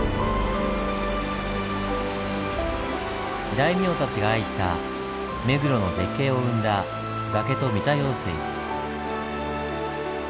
大名たちが愛した目黒の絶景を生んだ崖と三田用水。